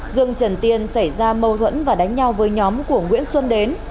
dương trần tiên xảy ra mâu thuẫn và đánh nhau với nhóm của nguyễn xuân đến